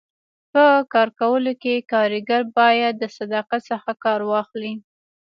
په کار کولو کي کاریګر باید د صداقت څخه کار واخلي.